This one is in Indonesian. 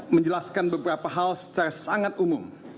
menjelaskan beberapa hal secara sangat umum